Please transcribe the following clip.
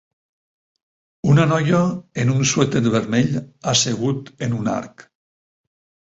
Una noia en un suèter vermell assegut en un arc